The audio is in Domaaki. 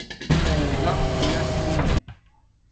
زراق ہویاس مُو